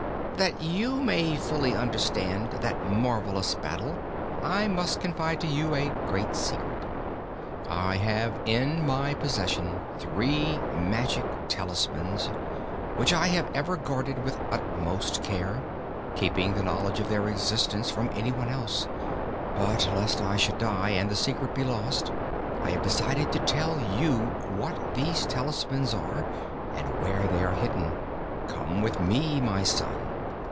"That you may fully understand that marvelous battle, I must confide to, you a great secret. I have in my possession three Magic Talismans, which I have ever guarded with utmost care, keeping the knowledge of their existence from anyone else. But, lest I should die, and the secret be lost, I have decided to tell you what these talismans are and where they are hidden. Come with me, my son."